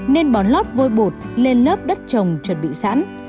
nên bón lót vôi bột lên lớp đất trồng chuẩn bị sẵn